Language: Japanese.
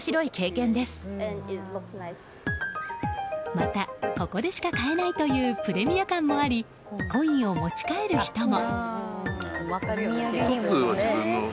また、ここでしか買えないというプレミア感もありコインを持ち帰る人も。